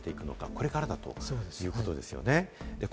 これからだということですよね。